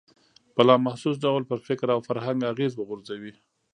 په لا محسوس ډول پر فکر او فرهنګ اغېز وغورځوي.